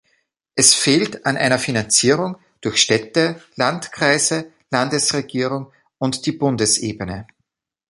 Es fehlt an einer Finanzierung durch Städte, Landkreise, Landesregierung und die Bundesebene.